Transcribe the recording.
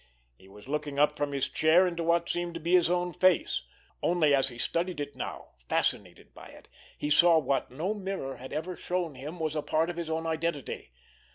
He was looking up from his chair into what seemed to be his own face—only as he studied it now, fascinated by it, he saw what no mirror had ever shown him was a part of his own identity.